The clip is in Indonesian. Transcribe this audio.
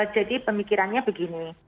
jadi pemikirannya begini